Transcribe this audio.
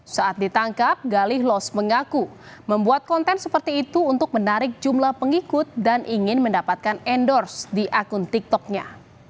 saat ditangkap galih los mengaku membuat konten seperti itu untuk menarik jumlah pengikut dan ingin mendapatkan endorse di akun tiktoknya